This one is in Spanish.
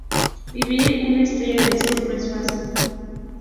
Vivir en Estrella del Sur no es fácil.